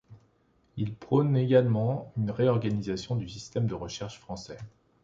Il prône également une réorganisation du système de recherche français.